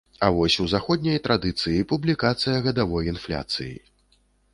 А вось у заходняй традыцыі публікацыя гадавой інфляцыі.